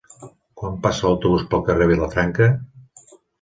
Quan passa l'autobús pel carrer Vilafranca?